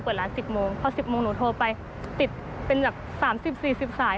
เปิดร้าน๑๐โมงพอ๑๐โมงหนูโทรไปติดเป็นแบบ๓๐๔๐สาย